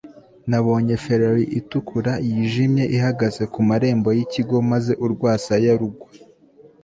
nabonye ferrari itukura yijimye ihagaze ku marembo yikigo maze urwasaya rugwa